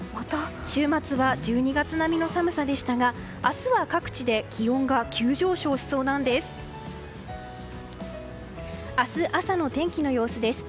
週末は１２月並みの寒さでしたが明日は各地で気温が急上昇しそうなんです。